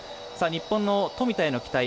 日本の富田への期待